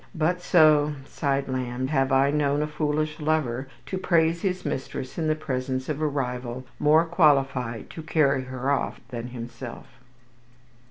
"But so," sighed Lamb, "have I known a foolish lover to praise his mistress in the presence of a rival more qualified to carry her off than himself."